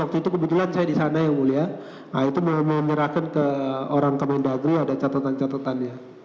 waktu itu kebetulan saya disana yang mulia nah itu mau menyerahkan ke orang kemendagri ada catatan catatannya